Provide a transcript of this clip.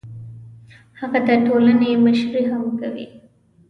هغه د ټولنې مشري هم کوي.